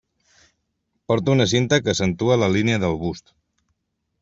Porta una cinta que accentua la línia del bust.